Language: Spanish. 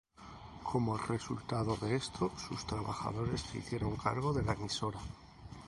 Como resultado de esto, sus trabajadores se hicieron cargo de la emisora.